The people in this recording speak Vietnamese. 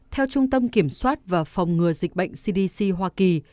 theo trung tâm kiểm soát và phòng ngừa dịch bệnh cdc hoa kỳ